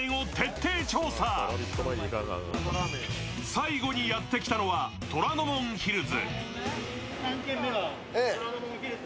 最後にやってきたのは、虎ノ門ヒルズ。